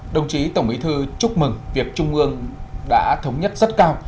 đồng chí tổng bí thư chúc mừng việc trung ương đã thống nhất rất cao